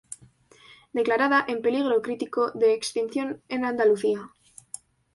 Declarada en peligro crítico de extinción en Andalucía.